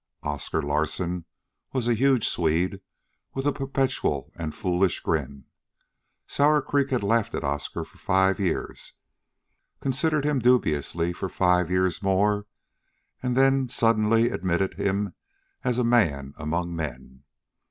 Oscar Larsen was a huge Swede, with a perpetual and foolish grin. Sour Creek had laughed at Oscar for five years, considered him dubiously for five years more, and then suddenly admitted him as a man among men.